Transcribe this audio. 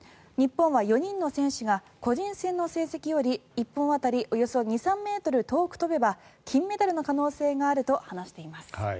日本は４人の選手が個人戦の成績より１本当たりおよそ２３ｍ遠く飛べば、金メダルの可能性があると話しています。